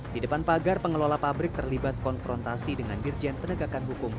di depan pagar pengelola pabrik terlibat konfrontasi dengan dirjen penegakan hukum